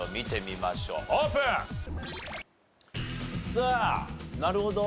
さあなるほど。